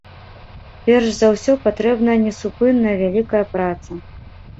Перш за ўсё патрэбна несупынная вялікая праца.